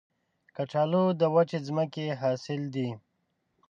کچالو د وچې ځمکې حاصل دی